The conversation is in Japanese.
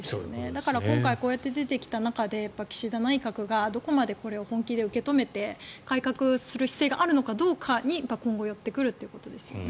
だから今回こうやって出てきた中で岸田内閣がどこまでこれを本気で受け止めて改革する姿勢があるかどうかに今後よってくるということですよね。